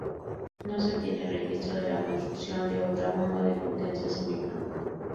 No se tiene registro de la construcción de otra bomba de potencia semejante.